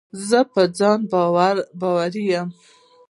زه په ځان باوري یم.